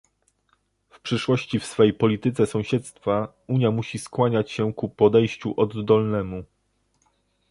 W przyszłości w swej polityce sąsiedztwa Unia musi skłaniać się ku podejściu oddolnemu